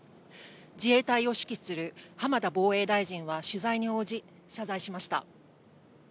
自衛隊を指揮する浜田防衛大臣は取材に応じ、謝罪しました。